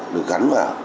được gắn vào